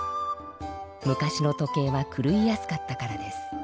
昔の時計はくるいやすかったからです。